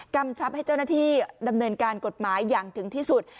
กำชับให้เจ้าหน้าที่ดำเนินการกฎหมายอย่างถึงที่สุด